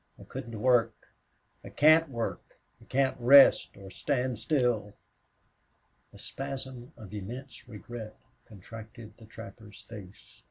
I couldn't work. I CAN'T work. I CAN'T rest or stand still!" A spasm of immense regret contracted the trapper's face.